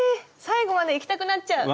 最後までいきたくなっちゃう！